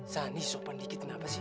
sani sopan dikitin apa sih